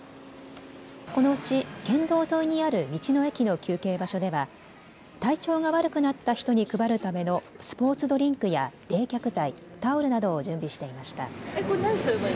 このうち県道沿いにある道の駅の休憩場所では体調が悪くなった人に配るためのスポーツドリンクや冷却剤、タオルなどを準備していました。